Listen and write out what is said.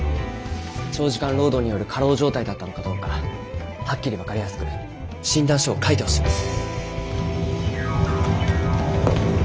長時間労働による過労状態だったのかどうかはっきり分かりやすく診断書を書いてほしいんです。